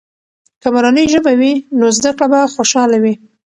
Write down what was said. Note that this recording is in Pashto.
که مورنۍ ژبه وي، نو زده کړه به خوشحاله وي.